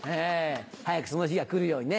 早くその日が来るようにね